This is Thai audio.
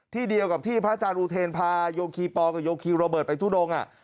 เดียวกับที่พระอาจารย์อุเทนพาโยคีปอลกับโยคีโรเบิร์ตไปทุดง